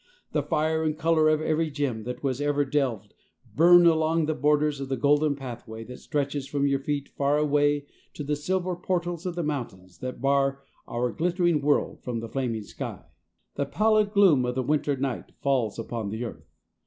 The fire and color of every gem that was ever delved burn along the borders of the golden pathway that stretches from your feet far away to the silver portals of the mountains that bar our glittering world from the flaming sky. The pallid gloom of the winter night falls upon the earth.